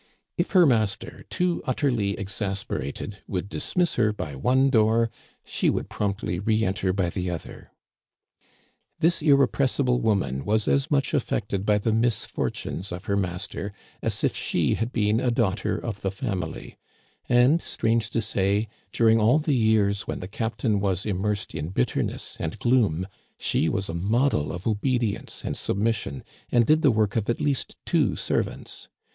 If her master, too utterly exasperated, would dismiss her by one door, she would promptly re enter by the other. This irrepressible woman was as much affected by the misfortunes of her master as if she had been a daughter of the family ; and, strange to say, during all the years when the captain was immersed in bitterness and gloom, she was a model of obedience and submis sion, and did the work of at least two servants.